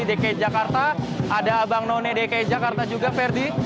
di jakarta ada abang none dki jakarta juga ferdi